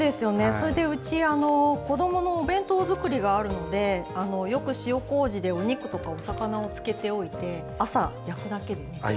それでうち子どものお弁当作りがあるのでよく塩こうじでお肉とかお魚を漬けておいて朝焼くだけでひと品できるので簡単なんです。